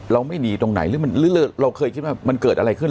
เราไม่หนีตรงไหนหรือเราเคยคิดว่ามันเกิดอะไรขึ้น